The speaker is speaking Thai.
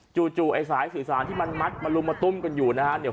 จู่ไอ้สายสื่อสารที่มัดมุมมาตุ้มกันอยู่นะครับ